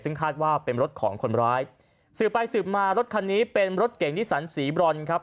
ซึ่งคาดว่าเป็นรถของคนร้ายสืบไปสืบมารถคันนี้เป็นรถเก่งนิสันสีบรอนครับ